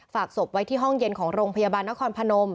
ศพไว้ที่ห้องเย็นของโรงพยาบาลนครพนม